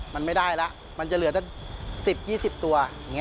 มันไม่ได้แล้วมันจะเหลือตั้ง๑๐๒๐ตัว